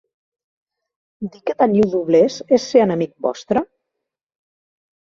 Dir que teniu doblers és ser enemic vostre?